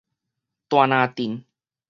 大林鎮